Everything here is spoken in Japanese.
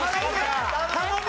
頼む！